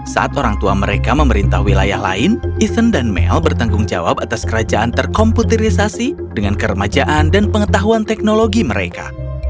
saat orang tua mereka memerintah wilayah lain eason dan mel bertanggung jawab atas kerajaan terkomputerisasi dengan keremajaan dan pengetahuan teknologi mereka